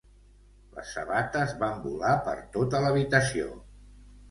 Les sabates van volar per tota l'habitació.